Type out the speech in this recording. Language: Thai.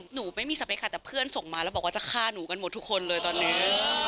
หนูไม่มีสเปคค่ะแต่เพื่อนส่งมาแล้วบอกว่าจะฆ่าหนูกันหมดทุกคนเลยตอนนี้